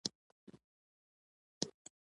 مومن باید په امانت کې خیانت و نه کړي.